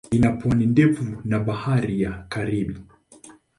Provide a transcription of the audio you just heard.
Ina pwani ndefu na Bahari ya Karibi.